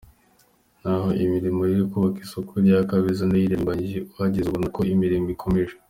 Naho imirimo yo kubaka isoko rya Kabeza nayo irarimbanyije uhageze ubona ko imirimo ikomeje.